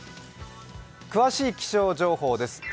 詳しい気象情報です。